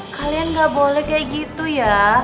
kalian gak boleh kayak gitu ya